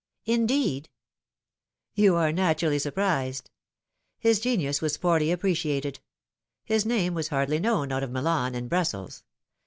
" Indeed 1" " You are naturally surprised. His genius was poorly appreciated. His name was hardly known out of Milan and Brussels.